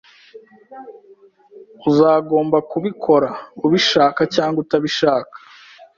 Uzagomba kubikora, ubishaka cyangwa utabishaka